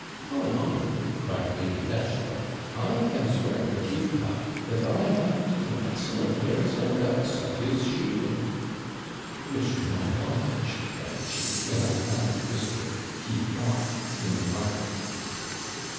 ''Pon honour,' cried Lady Dashfort, 'I can swear for Heathcock, that I have eaten excellent hares and ducks of his shooting, which, to my knowledge,' added she, in a loud whisper, 'he bought in the market.'